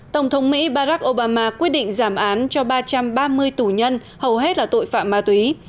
tổng thống mỹ barack obama quyết định giảm án cho ba trăm ba mươi tù nhân hầu hết là tội phạm ma túy